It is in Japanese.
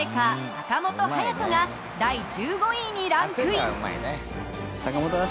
坂本勇人が第１５位にランクイン。